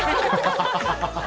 ハハハハ！